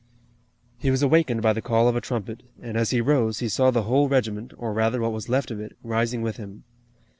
He was awakened by the call of a trumpet, and, as he rose, he saw the whole regiment or rather, what was left of it, rising with him.